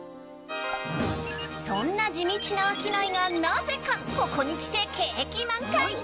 そんな地道な商いがなぜかここにきて景気満開。